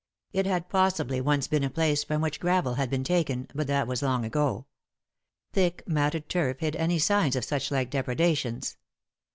It had possibly once been a place from which gravel had been taken, but that was long ago. Thick matted turf hid any signs of such like depredations.